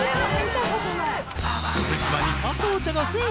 ［福島に］